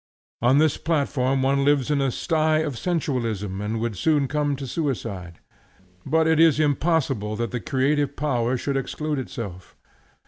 On this platform one lives in a sty of sensualism, and would soon come to suicide. But it is impossible that the creative power should exclude itself.